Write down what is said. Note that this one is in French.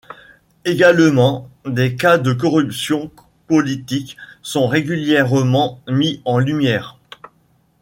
Également, des cas de corruption politique sont régulièrement mis en lumière.